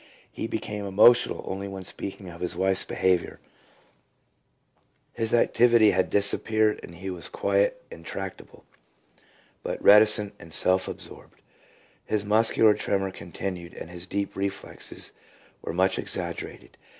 He became emotional only when speaking of his wife's behaviour. His INSANITY. 263 activity had disappeared, and he was quiet and tractable, but reticent and self absorbed. His mus cular tremor continued and his deep reflexes were much exaggerated.